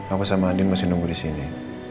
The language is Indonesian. aku sama andi masih nunggu di sini